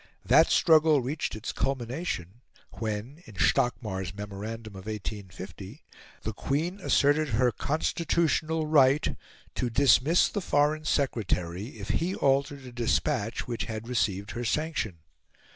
That struggle reached its culmination when, in Stockmar's memorandum of 1850, the Queen asserted her "constitutional right" to dismiss the Foreign Secretary if he altered a despatch which had received her sanction.